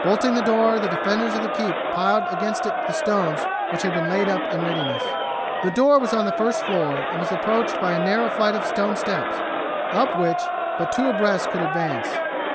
Bolting the door the defenders of the keep piled against it the stones which had been laid in readiness. The door was on the first floor, and was approached by a narrow flight of stone steps, up which but two abreast could advance.